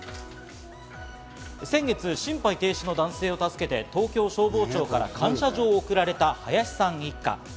先月、心肺停止の男性を助けて、東京消防庁から感謝状を贈られた林さん一家。